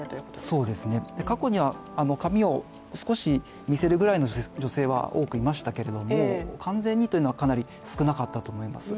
過去には髪を少し見せるぐらいの女性はいましたが完全にというのはかなり少なかったと思います。